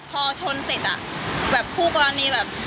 พอชนสิทธิ์อ่ะแบบผู้กรณีแบบ